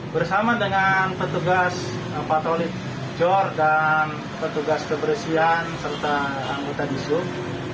bersama dengan petugas patrolik jor dan petugas kebersihan serta anggota disub